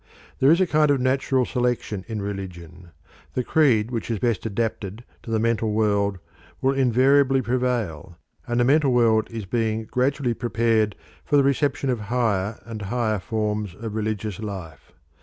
There is a kind of natural selection in religion; the creed which is best adapted to the mental world will invariably prevail, and the mental world is being gradually prepared for the reception of higher and higher forms of religious life.